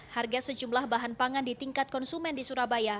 harga sejumlah bahan pangan di tingkat konsumen di surabaya